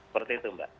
seperti itu mbak